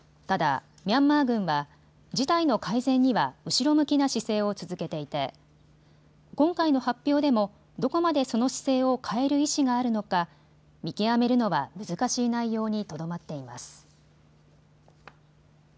ただ、ミャンマー軍は事態の改善には後ろ向きな姿勢を続けていて今回の発表でも、どこまでその姿勢を変える意思があるのか見極めるのは難しい内容にとどまっています。